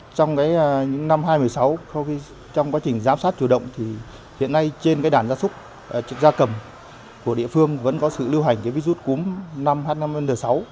trong những năm hai nghìn một mươi sáu trong quá trình giám sát chủ động hiện nay trên đàn da cầm của địa phương vẫn có sự lưu hành virus cúm h năm n sáu